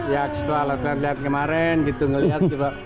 ya setualah kalian lihat kemaren gitu ngelihat juga